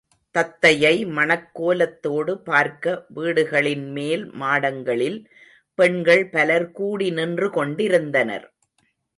தத்தையை மணக் கோலத்தோடு பார்க்க வீடுகளின் மேல் மாடங்களில் பெண்கள் பலர்கூடி நின்று கொண்டிருந்தனர்.